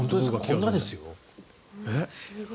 こんなのですよ。